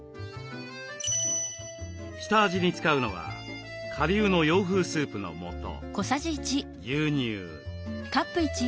下味に使うのは顆粒の洋風スープの素牛乳。